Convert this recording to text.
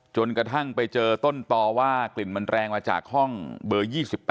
จนกระทั่งไปเจอต้นตอว่ากลิ่นมันแรงมาจากห้องเบอร์๒๘